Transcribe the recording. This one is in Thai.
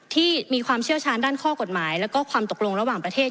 ที่มีความเชี่ยวชาญด้านข้อกฎหมายแล้วก็ความตกลงระหว่างประเทศ